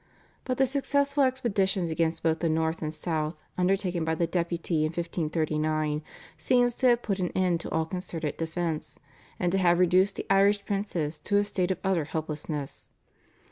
But the successful expeditions against both the North and South undertaken by the Deputy in 1539 seems to have put an end to all concerted defence, and to have reduced the Irish princes to a state of utter helplessness.